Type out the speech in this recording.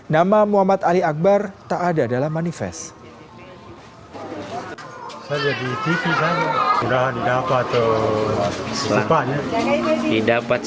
nama muhammad ali akbar tak ada dalam manifest